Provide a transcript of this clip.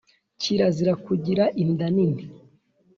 kirazira kugira Inda nini